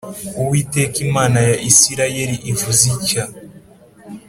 Uwiteka imana ya isirayeli ivuze itya